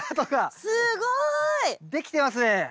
すごい！できてますね。